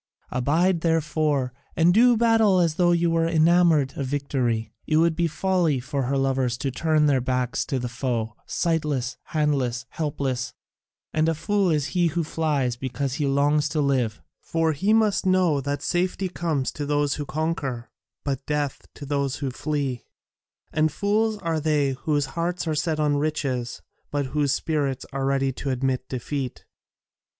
Abide, therefore, and do battle as though you were enamoured of victory. It would be folly for her lovers to turn their backs to the foe, sightless, handless, helpless, and a fool is he who flies because he longs to live, for he must know that safety comes to those who conquer, but death to those who flee; and fools are they whose hearts are set on riches, but whose spirits are ready to admit defeat.